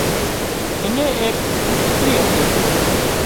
اڃين ايڪ ڪوترِي هتي